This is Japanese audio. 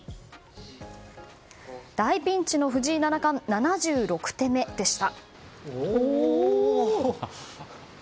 大ピンチの藤井七冠の７６手目でした。